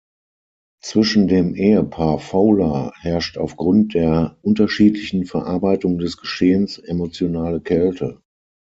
Zwischen dem Ehepaar Fowler herrscht auf Grund der unterschiedlichen Verarbeitung des Geschehens emotionale Kälte.